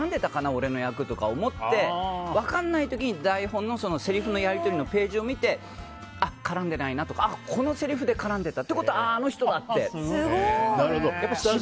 俺の役とか思って分かんない時に台本のせりふのやり取りのページを見て絡んでないなとかこのせりふで絡んでたああ、あの人だって。